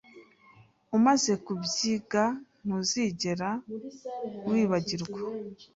Umaze kubyiga, ntuzigera wibagirwa.